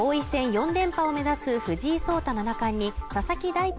４連覇を目指す藤井聡太七冠に佐々木大地